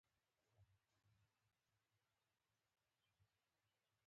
نجلۍ صبرناکه ده.